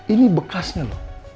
ini bekasnya loh